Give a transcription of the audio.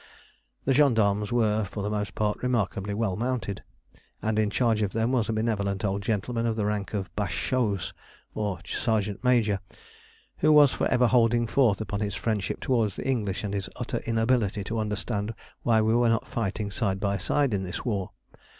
The gendarmes were, for the most part, remarkably well mounted, and in charge of them was a benevolent old gentleman of the rank of bash chaouse, or sergeant major, who was for ever holding forth upon his friendship towards the English and his utter inability to understand why we were not fighting side by side in this war.